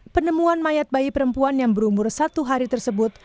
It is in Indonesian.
penemuan mayat bayi perempuan yang berumur satu hari tersebut